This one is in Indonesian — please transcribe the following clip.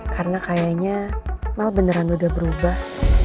karena kayaknya mel beneran udah berubah